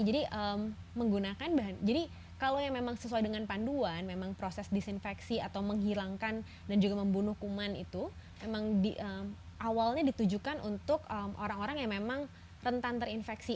jadi kalau yang memang sesuai dengan panduan memang proses disinfeksi atau menghilangkan dan juga membunuh kuman itu memang di awalnya ditujukan untuk orang orang yang memang rentan terinfeksi